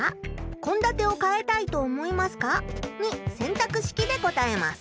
「こんだてを変えたいと思いますか？」に選択式で答えます。